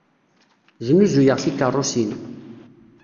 Snuzuyeɣ tikeṛṛusin.